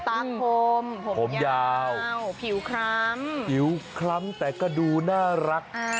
คมผมผมยาวผิวคล้ำผิวคล้ำแต่ก็ดูน่ารัก